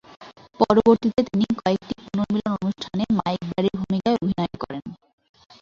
পরবর্তীতে তিনি কয়েকটি পুনর্মিলন অনুষ্ঠানে মাইক ব্র্যাডির ভূমিকায় অভিনয় করেন।